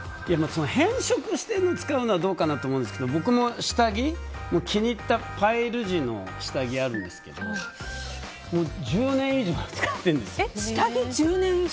変色しているのを使うのはどうかと思うんですけど僕も気に入ったパイル地の下着があるんですけど１０年以上使ってるんですよ。